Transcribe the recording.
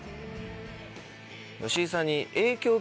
吉井さんに。